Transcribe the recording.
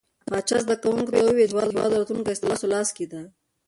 پاچا زده کوونکو ته وويل چې د هيواد راتلونکې ستاسو لاس کې ده .